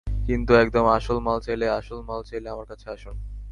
কিন্তু একদম আসল মাল চাইলে, আসল মাল চাইলে আমার কাছে আসুন।